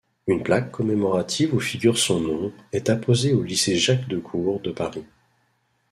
Une plaque commémorative où figure son nom est apposée au Lycée Jacques-Decour de Paris.